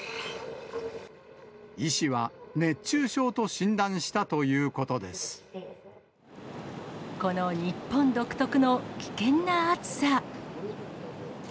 医師は、熱中症と診断したとこの日本独特の危険な暑さ。